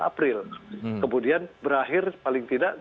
april kemudian berakhir paling tidak